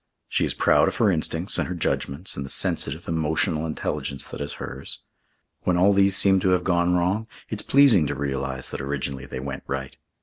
She is proud of her instincts and her judgments and the sensitive, emotional intelligence that is hers. When all these seem to have gone wrong, it's pleasing to realise that originally they went right.